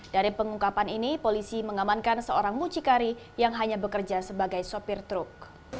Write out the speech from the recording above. dari pengungkapan ini polisi mengamankan seorang mucikari yang hanya bekerja sebagai sopir truk